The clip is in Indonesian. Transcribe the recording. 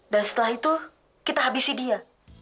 dan setelah itu kita habisi dia